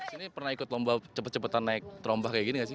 di sini pernah ikut lomba cepat cepatan naik terombah kayak gini gak sih